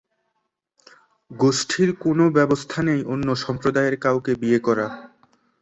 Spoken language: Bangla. গোষ্ঠীর কোনও ব্যবস্থা নেই অন্য সম্প্রদায়ের কাউকে বিয়ে করা।